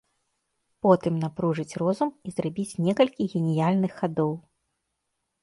Потым напружыць розум і зрабіць некалькі геніяльных хадоў.